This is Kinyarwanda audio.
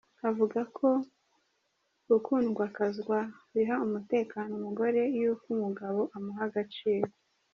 Avuga ko gukundwakazwa biha umutekano umugore y’uko umugabo amuha agaciro.